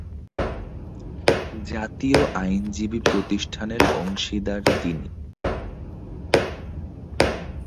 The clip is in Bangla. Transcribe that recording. জাতীয় আইনজীবী প্রতিষ্ঠানের অংশীদার তিনি।